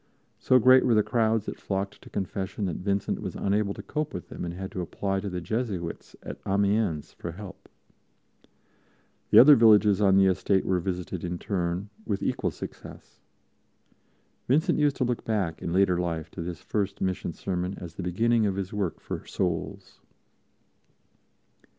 So great were the crowds that flocked to Confession that Vincent was unable to cope with them and had to apply to the Jesuits at Amiens for help. The other villages on the estate were visited in turn, with equal success. Vincent used to look back in later life to this first mission sermon as the beginning of his work for souls.